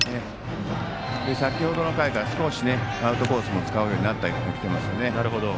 先程の回からアウトコースも使うようになってきてますね。